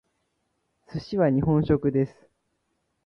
寿司は日本食です。